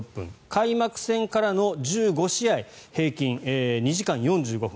開幕戦からの１５試合平均２時間４５分。